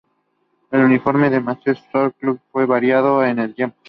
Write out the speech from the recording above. El uniforme del Meteor Sport Club fue variando en el tiempo.